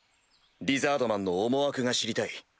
リザードマンの思惑が知りたい。